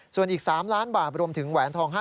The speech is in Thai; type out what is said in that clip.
ส่วนอีก๓ล้านบาทรวมถึงแหวนทอง๕๐